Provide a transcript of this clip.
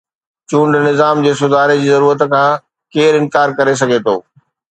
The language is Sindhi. چونڊ نظام جي سڌاري جي ضرورت کان ڪير انڪار ڪري سگهي ٿو؟